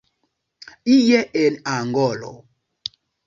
Ie en Angolo.